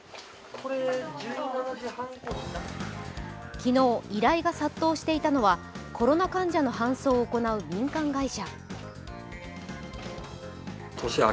昨日、依頼が殺到していたのはコロナ患者の搬送を行う民間会社。